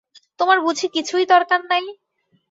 তোমার বুঝি কিছুই দরকার নাই?